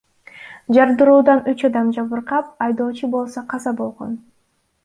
Жардыруудан үч адам жабыркап, айдоочу болсо каза болгон.